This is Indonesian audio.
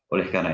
oleh karena itu